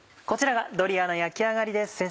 こちらがドリアの焼き上がりです。